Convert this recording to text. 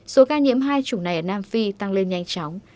số ca nhiễm hai chủng này ở nam phi tăng lên nhanh chóng